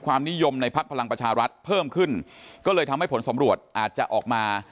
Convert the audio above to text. ความนิยมในพักพลังประชารัฐเพิ่มขึ้นก็เลยทำให้ผลสำรวจอาจจะออกมา